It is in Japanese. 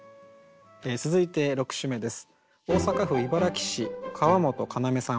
続いて６首目です。